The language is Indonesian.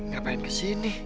gak pengen kesini